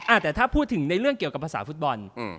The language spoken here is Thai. แต่ถ้าพูดถึงในเรื่องเกี่ยวกับภาษาฟุตบอล